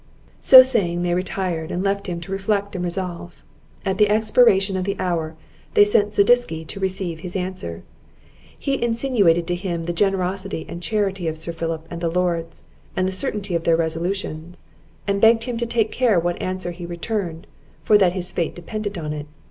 So saying, they retired, and left him to reflect and to resolve. At the expiration of the hour they sent Zadisky to receive his answer; he insinuated to him the generosity and charity of Sir Philip and the Lords, and the certainty of their resolutions, and begged him to take care what answer he returned, for that his fate depended on it.